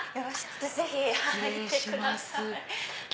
ぜひ入ってください。